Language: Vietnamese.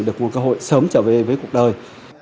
được một cơ hội sớm trở về với cuộc đời